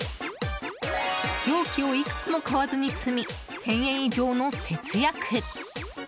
容器をいくつも買わずに済み１０００円以上の節約。